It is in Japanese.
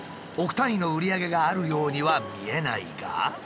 億単位の売り上げがあるようには見えないが。